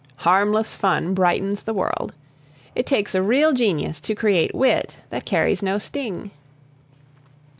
Harmless fun brightens the world. It takes a real genius to create wit that carries no sting.